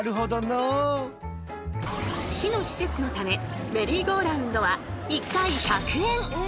市の施設のためメリーゴーラウンドは１回１００円。